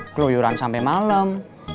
kloyuran sampe malem